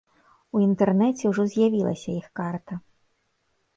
У інтэрнэце ўжо з'явілася іх карта.